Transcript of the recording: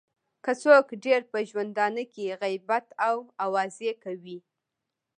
که څوک ډېر په ژوندانه کې غیبت او اوازې کوي.